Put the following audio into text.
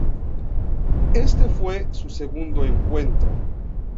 Este fue su segundo encuentro.